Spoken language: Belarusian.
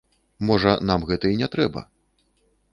Можа, нам гэта і не трэба.